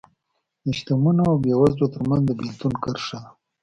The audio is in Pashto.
د شتمنو او بېوزلو ترمنځ د بېلتون کرښه ده